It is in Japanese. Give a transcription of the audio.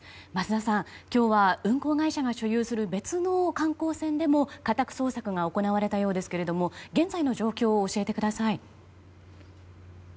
桝田さん、今日は運航会社が所有する別の観光船でも家宅捜索が行われたようですけど現在の状況を教えてください。